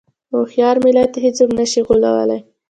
هوښیار ملت هېڅوک نه شي غولوی.